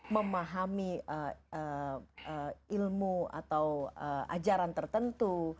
memahami ilmu atau ajaran tertentu